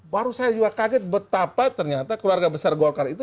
baru saya juga kaget betapa ternyata keluarga besar golkar itu